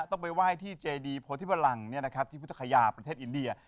ต้องไปไหว้ที่เจดีโพธิบรังที่พุทธคยาประเทศอินเดีย